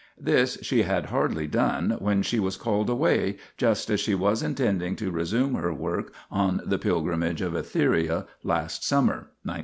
This she had hardly done, when she was called away, just as she was intending to resume her work on the Pilgrimage of Etheria last summer (1918).